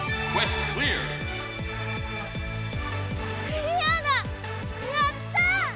クリアだやった！